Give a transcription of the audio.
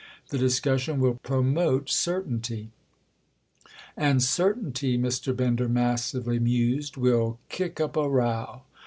The discussion will promote certainty——" "And certainty," Mr. Bender massively mused, "will kick up a row."